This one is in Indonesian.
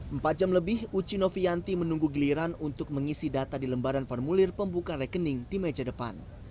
empat jam lebih ucinovianti menunggu giliran untuk mengisi data di lembaran formulir pembuka rekening di meja depan